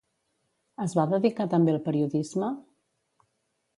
Es va dedicar també al periodisme?